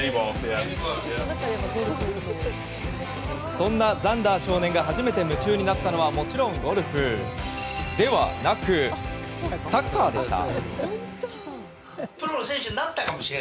そんなザンダー少年が初めて夢中になったのはもちろんゴルフではなくサッカーでした。